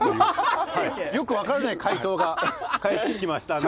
よく分からない回答が返ってきましたんで。